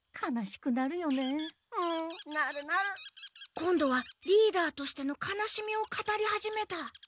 今度はリーダーとしての悲しみを語り始めた。